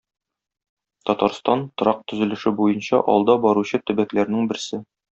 Татарстан - торак төзелеше буенча алда баручы төбәкләрнең берсе.